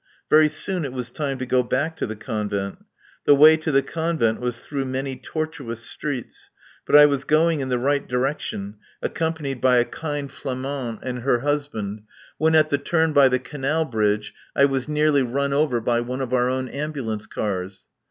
Very soon it was time to go back to the Convent. The way to the Convent was through many tortuous streets, but I was going in the right direction, accompanied by a kind Flamand and her husband, when at the turn by the canal bridge I was nearly run over by one of our own ambulance cars.